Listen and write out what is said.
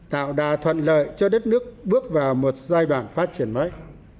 tạo đà thuận lợi cho đất nước bước vào một giai đoạn phát triển mới